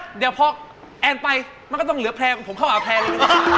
เดี๋ยวพอแอนไปมันก็ต้องเหลือแพรของผมเข้าหาแพร่เลย